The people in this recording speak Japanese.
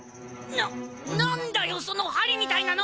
な何だよその針みたいなの！